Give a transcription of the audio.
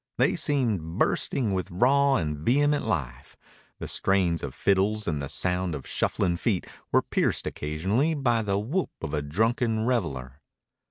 They seemed bursting with raw and vehement life. The strains of fiddles and the sound of shuffling feet were pierced occasionally by the whoop of a drunken reveler.